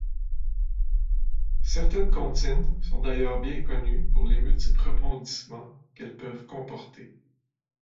Certaines comptines sont d'ailleurs bien connues pour les multiples rebondissements qu'elles peuvent comporter.